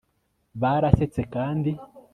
barasetse kandi